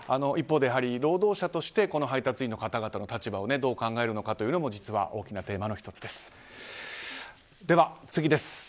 一方で、労働者として配達員の方々の立場をどう考えるのかというのも実は大きなテーマの１つです。